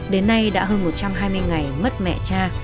đến nay đã hơn một trăm hai mươi ngày mất mẹ cha